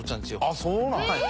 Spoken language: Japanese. あっそうなんですか？